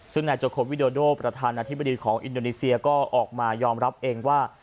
ซึ่งนายโจโควิโดโดประธานาธิบดีของอินโดนีเซียก็ออกมายอมรับเองว่า